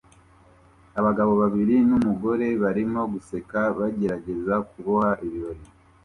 Abagabo babiri numugore barimo guseka bagerageza kuboha ibirori